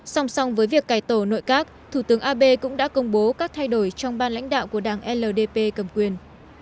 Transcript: song song với việc cải tổ nội các thủ tướng abe cũng đã công bố các thay đổi trong ban lãnh đạo của đảng ldp cầm quyền